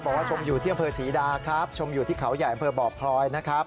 บอกว่าชมอยู่ที่อำเภอศรีดาครับชมอยู่ที่เขาใหญ่อำเภอบ่อพลอยนะครับ